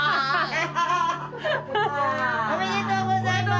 おめでとうございます！